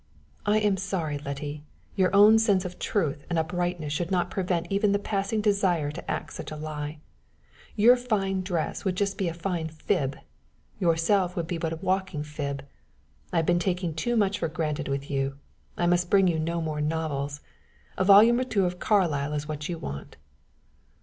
I am sorry, Letty, your own sense of truth and uprightness should not prevent even the passing desire to act such a lie. Your fine dress would be just a fine fib yourself would be but a walking fib. I have been taking too much for granted with you: I must bring you no more novels. A volume or two of Carlyle is what you want."